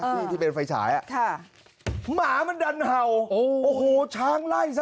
นี่ที่เป็นไฟฉายอ่ะค่ะหมามันดันเห่าโอ้โหช้างไล่ซะ